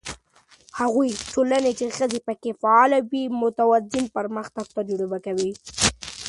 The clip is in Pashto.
هغه ټولنه چې ښځې پکې فعاله وي، متوازن پرمختګ تجربه کوي.